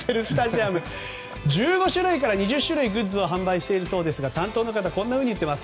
１５種類から２０種類グッズを販売しているそうですが担当の方はこう言っています。